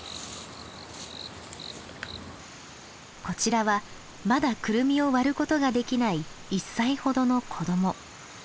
こちらはまだクルミを割ることができない１歳ほどの子ども。